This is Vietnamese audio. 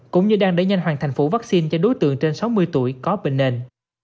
cũng như đang đẩy nhanh hoàn thành phủ vaccine cho đối tượng trên sáu mươi tuổi có bệnh nền